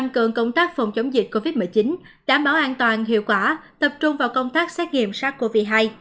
công tác phòng chống dịch covid một mươi chín đảm bảo an toàn hiệu quả tập trung vào công tác xét nghiệm sars cov hai